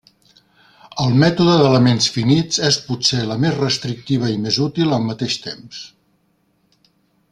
El mètode d'elements finits és potser la més restrictiva i més útil, al mateix temps.